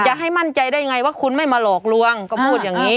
ให้มั่นใจได้ไงว่าคุณไม่มาหลอกลวงก็พูดอย่างนี้